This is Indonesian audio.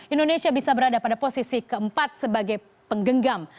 dua ribu lima puluh indonesia bisa berada pada posisi keempat sebagai penggenggam